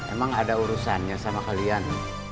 emang ada urusannya sama kalian